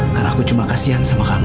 karena aku cuma kasihan sama kamu